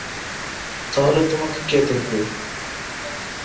তাহলে তোমাকে কে দেখবে?